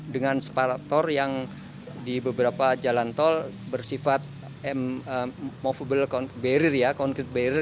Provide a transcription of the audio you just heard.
dengan separator yang di beberapa jalan tol bersifat movable concrete barrier